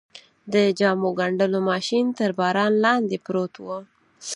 د جامو ګنډلو ماشین تر باران لاندې پروت و.